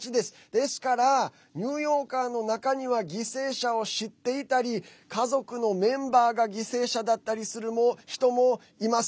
ですからニューヨーカーの中には犠牲者を知っていたり家族のメンバーが犠牲者だったりする人もいます。